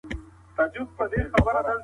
ښه انسان نرم وي